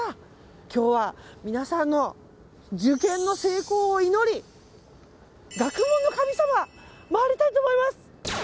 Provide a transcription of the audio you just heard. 今日は皆さんの受験の成功を祈り学問の神様を回りたいと思います！